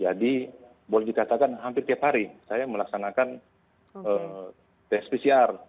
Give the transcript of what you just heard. jadi boleh dikatakan hampir tiap hari saya melaksanakan tes pcr